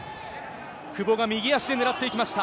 久保が右足でねらっていきました。